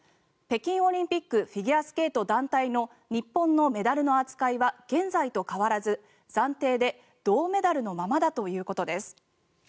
北京オリンピックフィギュアスケート団体の日本のメダルの扱いは現在と変わらず暫定で銅メダルのままだということです。